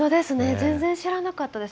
全然知らなかったです。